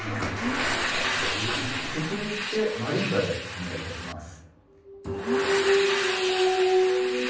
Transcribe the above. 続いてマリンバでお願い致します。